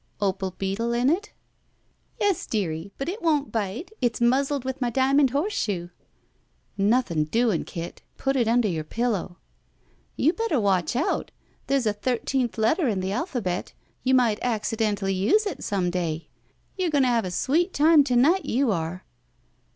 Opal beetle in it?" Yes, dearie; but it won't bite. It's muzzled with my diamond horseshoe." "Nothing doing, Kit. Put it under your pillow." "You better watch out. There's a thirteenth letter in the alphabet; you might accidentally use it some day. You're going to have a sweet time to night, you are!"